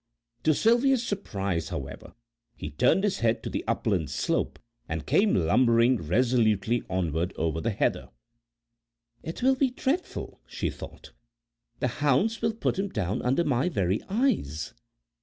To Sylvia's surprise, however, he turned his head to the upland slope and came lumbering resolutely onward over the heather. "It will be dreadful," she thought, "the hounds will pull him down under my very eyes."